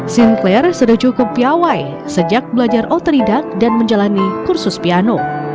sinclair sudah cukup piawai sejak belajar otoridak dan menjalani kursus piano